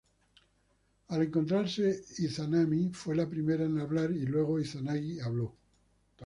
Al encontrarse, Izanami fue la primera en hablar y luego Izanagi habló.